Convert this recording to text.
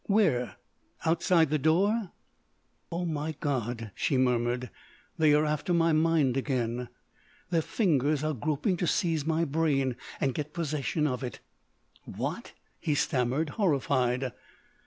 "Where? Outside the door?" "Oh, my God," she murmured, "they are after my mind again! Their fingers are groping to seize my brain and get possession of it!" "What!" he stammered, horrified.